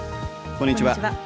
こんにちは。